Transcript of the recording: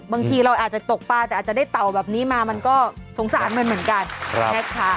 บางทีเราอาจจะตกปลาแต่อาจจะได้เต่าแบบนี้มามันก็สงสารมันเหมือนกันนะคะ